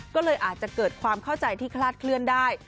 ก็เลยอาจจะเกิดความเข้าใจที่คลาดเคลื่อนได้